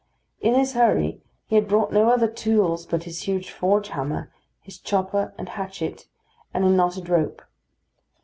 In his hurry he had brought no other tools but his huge forge hammer, his chopper and hatchet, and a knotted rope.